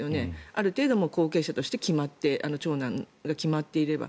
ある程度、後継者として長男が決まっていれば。